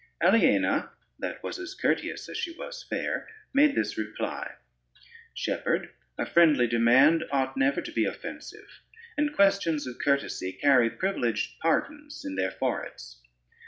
Aliena, that was as courteous as she was fair, made this reply: "Shepherd, a friendly demand ought never to be offensive, and questions of courtesy carry privileged pardons in their foreheads.